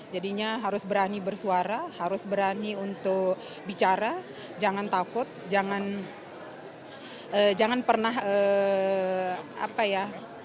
jadinya harus berani bersuara harus berani untuk bicara jangan takut jangan pernah apa ya